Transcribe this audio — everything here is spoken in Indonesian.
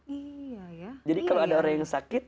iya ya jadi kalau ada orang yang sakit